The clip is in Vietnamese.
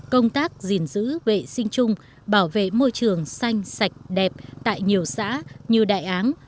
công tác gìn giữ vệ sinh chung bảo vệ môi trường xanh sạch đẹp tại nhiều xã như đại án